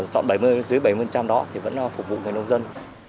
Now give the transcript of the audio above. chọn dưới bảy mươi đó thì vẫn phục vụ người nông dân